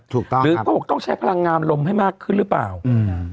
ถูกต้องหรือเขาบอกต้องใช้พลังงานลมให้มากขึ้นหรือเปล่าอืม